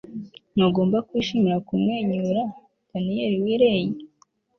ntugomba kwishimira kumwenyura. - daniel willey